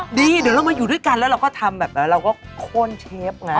ดีเดี๋ยวเรามาอยู่ด้วยกันแล้วเราก็ทำแบบนั้นเราก็โค้นเชฟไง